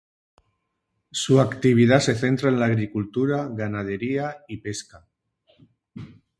Su actividad se centra en la agricultura, ganadería y pesca.